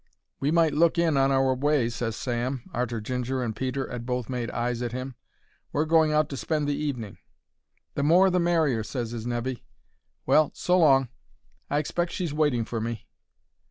"We might look in on our way," ses Sam, arter Ginger and Peter 'ad both made eyes at 'im. "We're going out to spend the evening." "The more the merrier," ses his nevy. "Well, so long; I expect she's waiting for me."